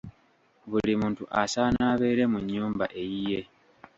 Buli muntu asaana abeere mu nnyumba eyiye.